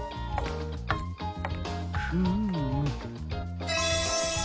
フーム。